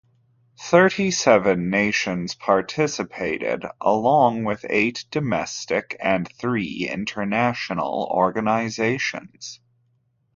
Thirty-seven nations participated, along with eight domestic and three international organizations.